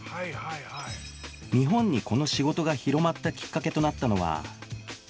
日本にこの仕事が広まったきっかけとなったのは